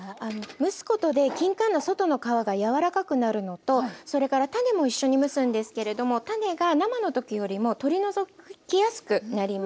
蒸すことできんかんの外の皮が柔らかくなるのとそれから種も一緒に蒸すんですけれども種が生の時よりも取り除きやすくなります。